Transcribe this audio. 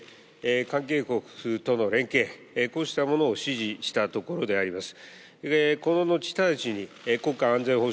関係国との連携、こうしたものを指示したところであります。